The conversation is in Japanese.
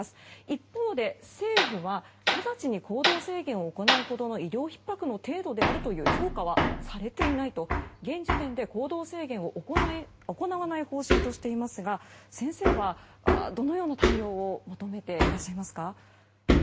一方で政府は直ちに行動制限を行うほどの医療ひっ迫の程度であるという評価はされていないと現時点で行動制限を行わない方針としていますが先生はどのような対応を求めていらっしゃいますか。